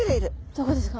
どこですか？